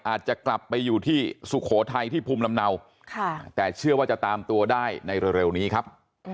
อาจจะกลับไปอยู่ที่สุโขทัยที่ภูมิลำเนาแต่เชื่อว่าจะตามตัวได้ในเร็วนี้ครับ